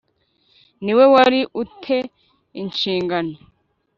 ni we wari u te inshingano